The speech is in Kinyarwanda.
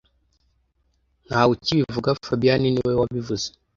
Ntawe ukibivuga fabien niwe wabivuze